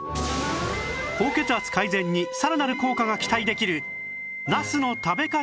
高血圧改善にさらなる効果が期待できるナスの食べ方とは？